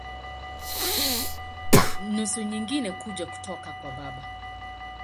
Nusu nyingine kuja kutoka kwa baba.